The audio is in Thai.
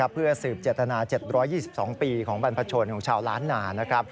เพื่อสืบเจตนา๗๒๒ปีของบรรพชนของชาวล้านนา